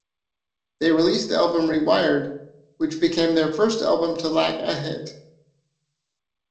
They released the album "Rewired", which became their first album to lack a hit.